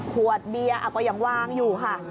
ขวดเบียร์ก็ยังวางอยู่ค่ะ